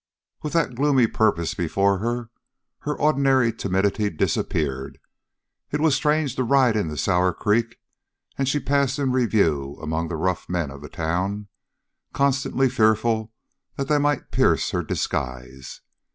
With that gloomy purpose before her, her ordinary timidity disappeared. It was strange to ride into Sour Creek, and she passed in review among the rough men of the town, constantly fearful that they might pierce her disguise.